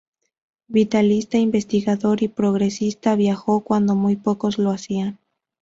Vitalista, investigador y progresista, viajó cuando muy pocos lo hacían.